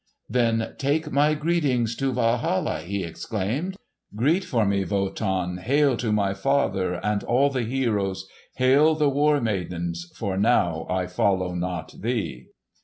"Then take my greetings to Walhalla!" he exclaimed. "Greet for me Wotan! Hail to my father And all the heroes! Hail the War Maidens; For now I follow not thee!"